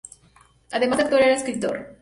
Además de actor era escritor.